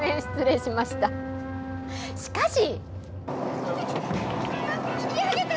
しかし。